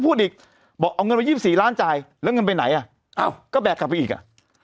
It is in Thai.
พูดอีกบอกเอาเงินมา๒๔ล้านจ่ายแล้วไปไหนอ่ะก็แบตอีกอ่ะ